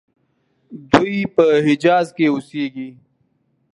دوی په حجاز کې اوسیږي.